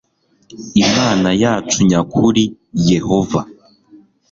imana yacu nya kuri yehova